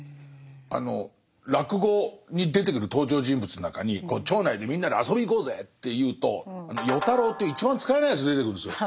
あの落語に出てくる登場人物の中に町内でみんなで遊びに行こうぜっていうと与太郎っていう一番使えないやつ出てくるんですよ。